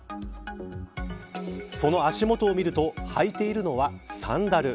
その足元を見ると履いているのはサンダル。